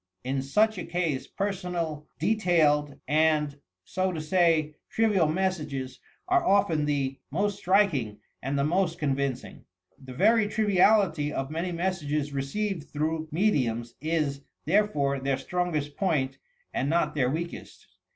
In such a ease personal, detailed and, so to say, trivial messages are often the DIFFICULTIES OF COMMUNICATION 253 most striking and the most coDviDcing. The very trivial ity of many messages received through mediums is, therefore, their strongest point and not their weakest.